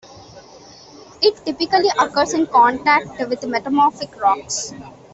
It typically occurs in contact metamorphic rocks.